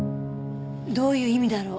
どういう意味だろ？